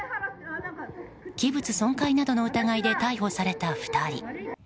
器物損壊などの疑いで逮捕された２人。